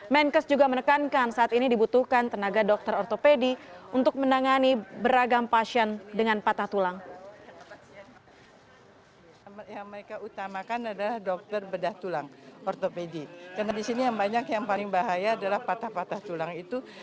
menkes juga menekankan saat ini dibutuhkan tenaga dokter ortopedi untuk menangani beragam pasien dengan patah tulang itu